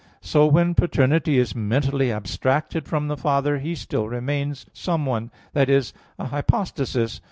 So when paternity is mentally abstracted from the Father, He still remains "someone" that is, a hypostasis.